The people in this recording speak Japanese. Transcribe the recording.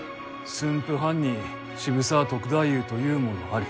駿府藩に渋沢篤太夫というものあり。